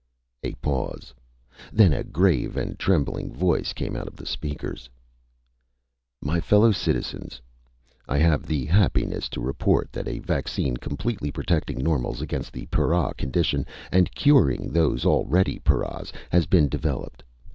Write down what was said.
_" A pause. Then a grave and trembling voice came out of the speakers: "_My fellow citizens, I have the happiness to report that a vaccine completely protecting normals against the para condition, and curing those already paras, has been developed.